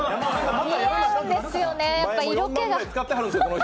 似合うんですよね、色気が。